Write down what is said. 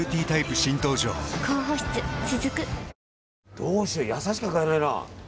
どうしよう野菜しか買えないな。